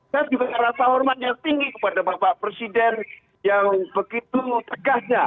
saya juga merasa hormat yang tinggi kepada bapak presiden yang begitu tegasnya